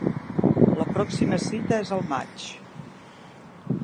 La pròxima cita és al maig.